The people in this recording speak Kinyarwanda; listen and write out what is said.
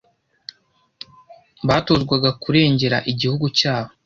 batozwaga kandi kurengera igihugu cyabo